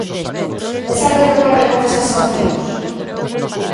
¿E sabe que ocorre con esas sancións?